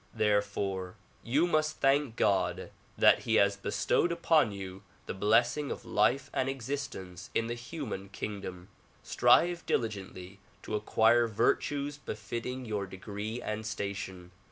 Therefore you must thank God that he has bestowed upon you the blessing of life and existence in the human kingdom. Strive diligently to acquire virtues befitting your degree and station.